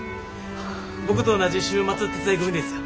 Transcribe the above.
僕と同じ週末手伝い組ですよ。